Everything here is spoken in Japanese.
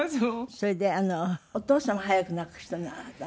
それであのお父様を早く亡くしたのねあなたね。